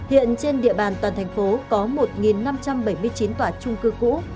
hiện trên địa bàn toàn thành phố có một năm trăm bảy mươi chín tòa trung cư cũ